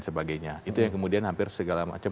sebagainya itu yang kemudian hampir segala macam